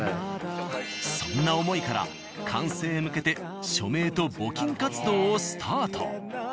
そんな思いから完成へ向けて署名と募金活動をスタート。